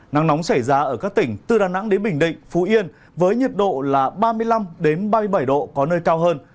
nắng nóng xảy ra ở các tỉnh từ đà nẵng đến bình định phú yên với nhiệt độ là ba mươi năm ba mươi bảy độ có nơi cao hơn